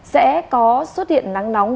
sẽ có xuất hiện nắng nóng